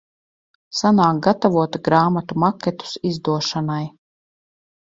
Sanāk gatavot grāmatu maketus izdošanai.